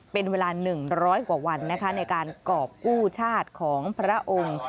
เป็นเวลา๑๐๐กว่าวันนะคะในการกรอบกู้ชาติของพระองค์